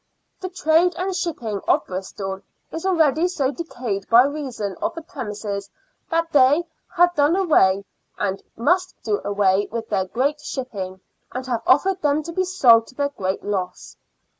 " The trade and shipping of Bristol is already so decayed by reason of the premises that they have done away, and must do away, with their great shipping, and have offered them to be sold to their great loss."